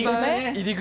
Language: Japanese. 入り口。